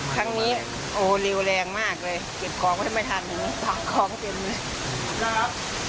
ครั้งนี้โอ้เร็วแรงมากเลยเก็บของให้ไม่ทันฟังของเต็มเลย